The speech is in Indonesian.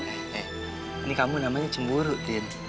eh ini kamu namanya cemburu tin